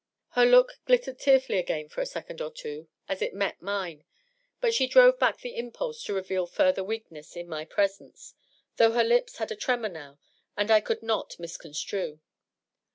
Her look glittered tearfully again for a second or two, as it met mine ; but she drove back the impulse to reveal further weakness in my presence, though her lips had a tremor, now, that I could not misconstrue.